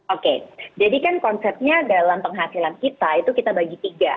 oke jadi kan konsepnya dalam penghasilan kita itu kita bagi tiga